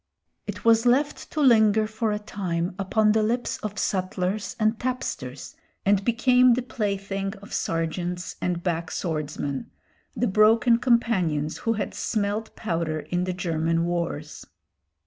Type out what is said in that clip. It was left to linger for a time upon the lips of sutlers and tapsters, and became the plaything of sergeants and backswordsmen, the broken companions who had smelt powder in the German wars.